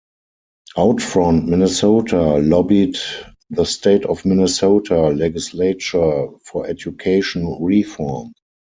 OutFront Minnesota lobbied the state of Minnesota legislature for education reform.